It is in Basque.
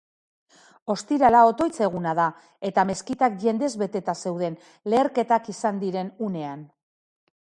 Ostirala otoitz eguna da eta meskitak jendez beteta zeuden leherketak izan diren unean.